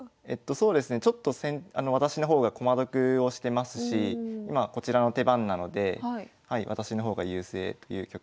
そうですねちょっと私の方が駒得をしてますし今こちらの手番なので私の方が優勢という局面ですね。